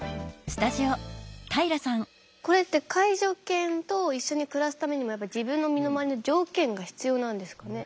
これって介助犬と一緒に暮らすためにもやっぱり自分の身の回りの条件が必要なんですかね？